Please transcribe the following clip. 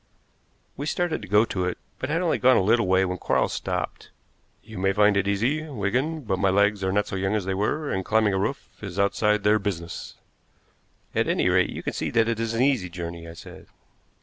We started to go to it, but had only gone a little way when Quarles stopped. "You may find it easy, Wigan, but my legs are not so young as they were, and climbing a roof is outside their business." "At any rate, you can see that it is an easy journey," I said.